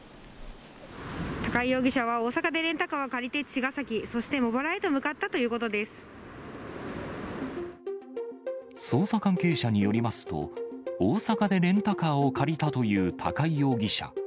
高井容疑者は、大阪でレンタカーを借りて、茅ヶ崎、そして茂原へと向かった捜査関係者によりますと、大阪でレンタカーを借りたという高井容疑者。